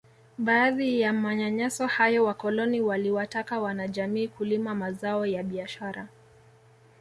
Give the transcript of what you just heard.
Baadhi ya manyanyaso hayo wakoloni waliwataka wanajamii kulima mazao ya biashara